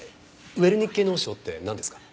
ウェルニッケ脳症ってなんですか？